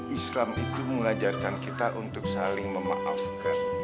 islam itu mengajarkan kita untuk saling memaafkan